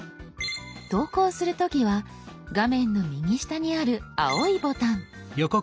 投稿する時は画面の右下にある青いボタン。